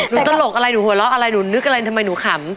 ตลกอะไรหนูหัวเราะอะไรหนูนึกอะไรทำไมหนูขำ